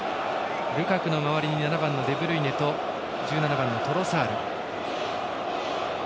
ルカクの周りにデブルイネと１７番のトロサール。